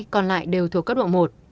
còn lại đều thuộc cấp độ một